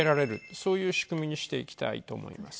そういう仕組みにしていきたいと思います。